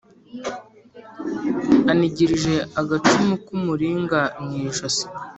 Anigirije agacumu k umuringa mu ijosi